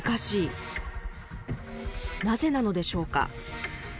なぜなのでしょうか？